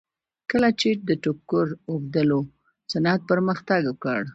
کله چې د ټوکر اوبدلو صنعت پرمختګ وکړ